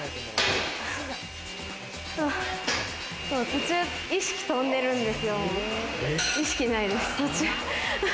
途中、意識飛んでるんですよ。